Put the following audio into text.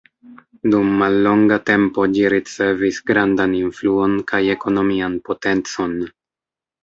Dum mallonga tempo ĝi ricevis grandan influon kaj ekonomian potencon.